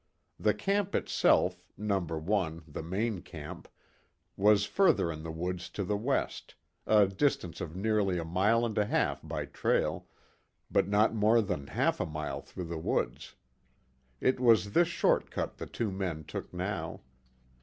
The camp itself No. 1, the main camp was further in the woods to the west, a distance of nearly a mile and a half by trail, but not more than half a mile through the woods. It was this short cut the two men took now.